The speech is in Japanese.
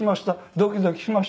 「ドキドキしました。